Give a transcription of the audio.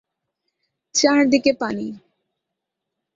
চারদিকে পানি।